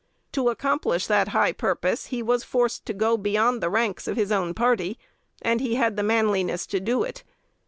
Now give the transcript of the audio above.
To accomplish that high purpose, he was forced to go beyond the ranks of his own party; and he had the manliness to do it.